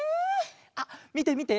あっみてみて！